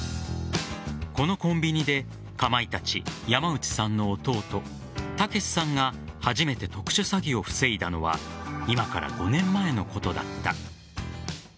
このコンビニでかまいたち・山内さんの弟剛さんが初めて特殊詐欺を防いだのは今から５年前のことだった。